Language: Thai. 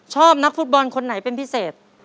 ชอบนักฟุตบอลคนไหนเป็นพิเศษ